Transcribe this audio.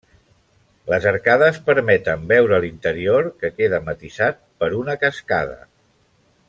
Les arcades permeten veure l'interior que queda matisat per una cascada.